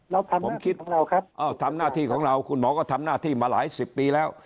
เราทำหน้าที่ของเราครับเอ้าทำหน้าที่ของเราคุณหมอก็ทำหน้าที่มาหลายสิบปีแล้ว